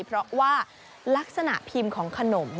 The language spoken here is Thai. เพราะว่าลักษณะพิมพ์ของขนม